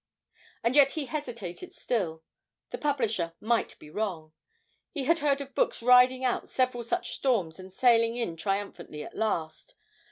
And yet he hesitated still: the publisher might be wrong; he had heard of books riding out several such storms and sailing in triumphantly at last.